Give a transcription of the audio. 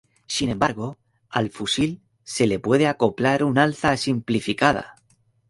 Sin embargo, al fusil se le puede acoplar un alza simplificada.